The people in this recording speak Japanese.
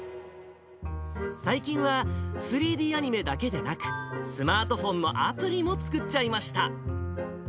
最近は３Ｄアニメだけでなく、スマートフォンのアプリも作っちゃいました。